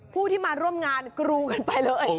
ผู้ที่มาร่วมงานกรูกันไปเลย